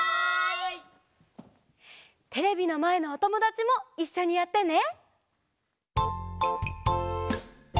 テレビのまえのおともだちもいっしょにやってね！